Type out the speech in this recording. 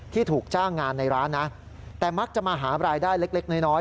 ถูกจ้างงานในร้านนะแต่มักจะมาหารายได้เล็กน้อย